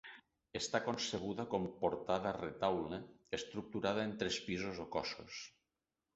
Està concebuda com portada-retaule, estructurada en tres pisos o cossos.